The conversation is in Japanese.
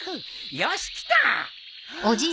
よしきた！